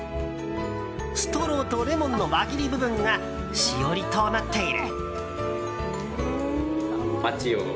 ストローとレモンの輪切り部分がしおりとなっている。